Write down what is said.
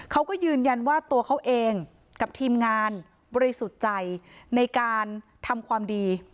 เขาก็ยืนยันว่าตัวเขาเองกับทีมงานบริสุทธิ์ใจในการทำความดี